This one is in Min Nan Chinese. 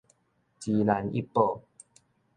芝蘭一堡